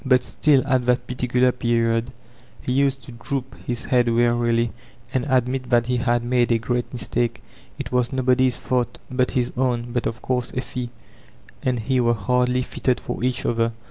But still, at that particular period, he used to droop his head wearily and admit that he had made a great mistake. It was nobody's f auk but his own, but of course— Effie and he were hardly fitted for each other.